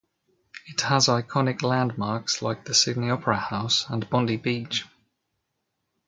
It has iconic landmarks like the Sydney Opera House and Bondi Beach.